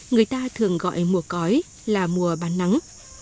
người ta thường gọi mùa cói là mùa bán nắng